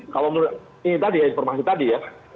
kalau menurut ini tadi ya informasi tadi ya